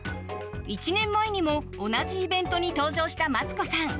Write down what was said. １年前にも同じイベントに登場したマツコさん。